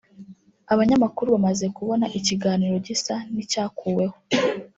Abanyamakuru bamaze kubona ikiganiro gisa n’icyakuweho